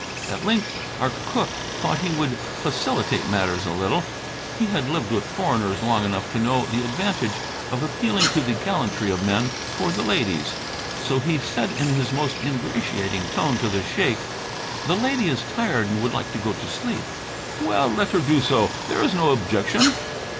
At length our cook thought he would facilitate matters a little. He had lived with foreigners long enough to know the advantage of appealing to the gallantry of men toward the ladies, so he said in his most ingratiating tone to the sheik, "The lady is tired and would like to go to sleep." "Well, let her do so, there is no objection."